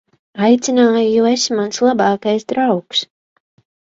Aicināju, jo esi mans labākais draugs.